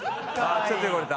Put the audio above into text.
ちょっと汚れた。